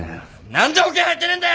何で保険入ってねえんだ！